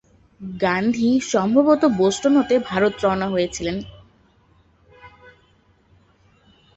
গান্ধী সম্ভবত বোষ্টন হতে ভারত রওনা হয়েছিলেন।